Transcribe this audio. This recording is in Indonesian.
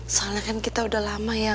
soalnya kan kita udah lama ya